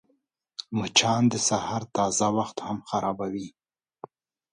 مچان د سهار تازه وخت هم خرابوي